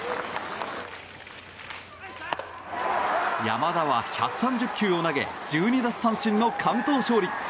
山田は１３０球を投げ１２奪三振の完投勝利！